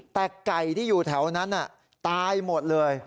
แต่ไก่ที่อยู่แถวนั้นตายหมดเลย